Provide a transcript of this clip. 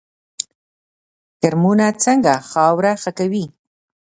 کرمونه څنګه خاوره ښه کوي؟